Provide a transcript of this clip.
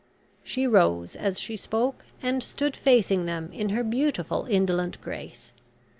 She rose as she spoke, and stood facing them in her beautiful indolent grace.